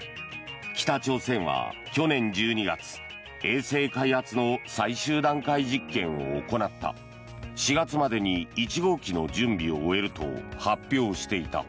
北朝鮮は去年１２月衛星開発の最終段階実験を行った４月までに１号機の準備を終えると発表していた。